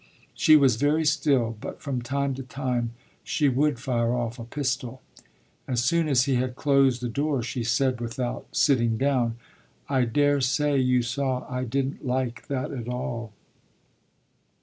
She was very still, but from time to time she would fire off a pistol. As soon as he had closed the door she said without sitting down: "I daresay you saw I didn't like that at all."